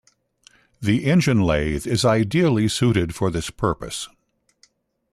The engine lathe is ideally suited for this purpose.